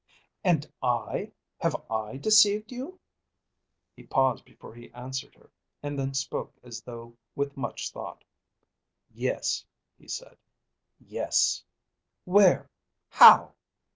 "And I, have I deceived you?" He paused before he answered her, and then spoke as though with much thought, "Yes," he said; "yes." "Where? How?"